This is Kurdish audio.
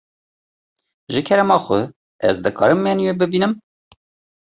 Ji kerema xwe, ez dikarim menûyê bibînim.